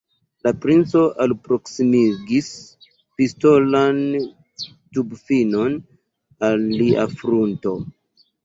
La princo alproksimigis pistolan tubfinon al lia frunto.